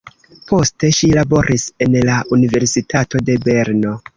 Poste ŝi laboris en la universitato de Berno.